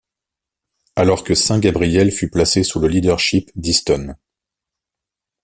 Alors que Saint-Gabriel fut placé sous le leadership d'Easton.